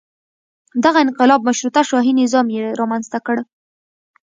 دغه انقلاب مشروطه شاهي نظام یې رامنځته کړ.